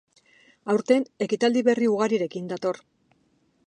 Aurten, ekitaldi berri ugarirekin dator.